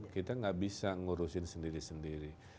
kita nggak bisa ngurusin sendiri sendiri